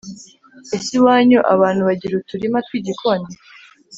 ese iwanyu abantu bagira uturima tw’igikoni ?